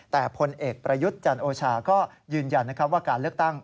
แต่พลเอกประยุทธ์จันโอชาก็ยืนยันว่าการเลือกตั้ง